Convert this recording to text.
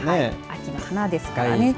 秋の花ですからね。